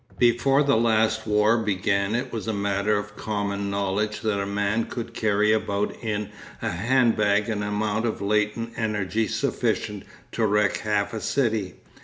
Before the last war began it was a matter of common knowledge that a man could carry about in a handbag an amount of latent energy sufficient to wreck half a city.